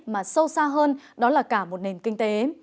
mà sâu xa hơn đó là cả một nền kinh tế